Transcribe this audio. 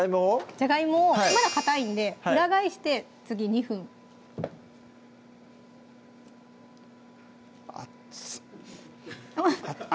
じゃがいもをまだかたいんで裏返して次２分熱い熱！